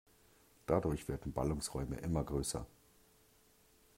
Dadurch werden Ballungsräume immer größer.